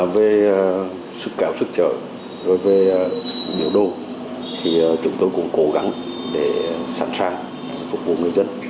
về sức kéo sức trợ rồi về biểu đồ thì chúng tôi cũng cố gắng để sẵn sàng phục vụ người dân